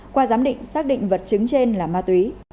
qua giám định xác định vật chứng trên là ma túy